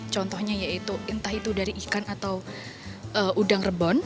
contohnya yaitu entah itu dari ikan atau udang rebon